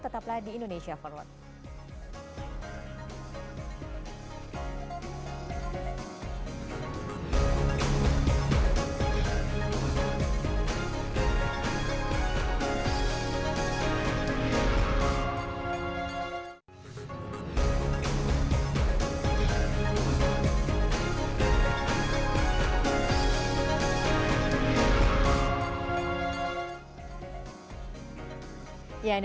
tetaplah di indonesia forward